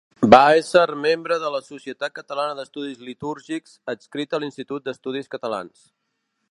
Va ésser membre de la Societat Catalana d’Estudis Litúrgics, adscrita a l’Institut d’Estudis Catalans.